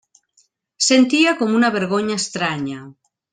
Sentia com una vergonya estranya.